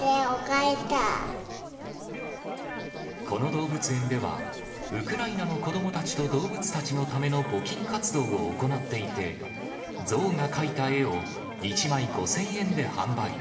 この動物園では、ウクライナの子どもたちと動物たちのための募金活動を行っていて、象が描いた絵を、１枚５０００円で販売。